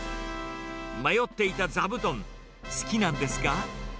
迷っていたザブトン、好きなんですか？